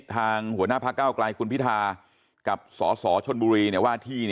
ทางหัวหน้าภาคเก้ากลายคุณพิธากับสสชนบุรี